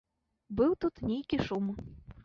Быў тут нейкі шум.